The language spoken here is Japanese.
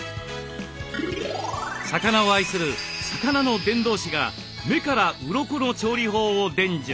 魚を愛する「魚の伝道師」が目からウロコの調理法を伝授。